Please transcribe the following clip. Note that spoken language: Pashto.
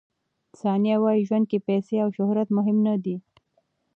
ثانیه وايي، ژوند کې پیسې او شهرت مهم نه دي.